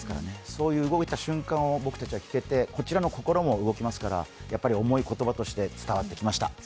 そういう動いた瞬間を僕たちは聞けてこちらの心も動きますから、やっぱり重い言葉として伝わってきました。